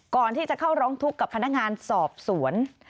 ก่อนที่จะเข้าร้องทุกข์กับพนักงานสอบสวน